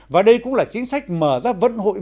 và đây cũng là chính sách mở ra vận hội